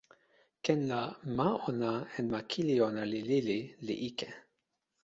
ken la, ma ona en ma kili ona li lili, li ike.